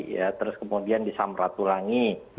ya terus kemudian di samratulangi